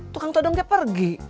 tukang todongnya pergi